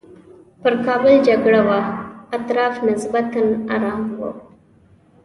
پر کابل جګړه وه اطراف نسبتاً ارام وو.